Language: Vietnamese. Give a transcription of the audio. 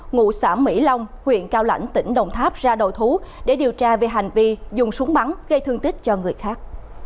ngụ xã mỹ long huyện cao lãnh tỉnh đồng tháp ra đầu thú để điều tra về hành vi dùng súng bắn gây thương tích cho người khác